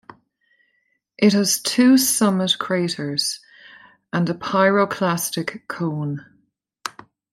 It has two summit craters and a pyroclastic cone.